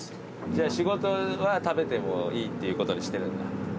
じゃあ仕事は食べてもいいっていうことにしてるんだ？